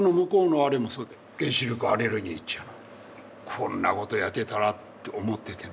こんなことをやってたらって思っててね。